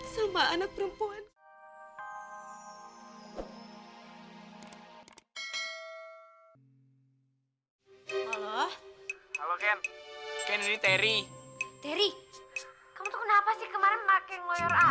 sampai jumpa di video selanjutnya